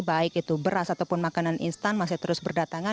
baik itu beras ataupun makanan instan masih terus berdatangan